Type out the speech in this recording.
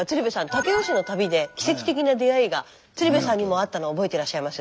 武雄市の旅で奇跡的な出会いが鶴瓶さんにもあったの覚えてらっしゃいます？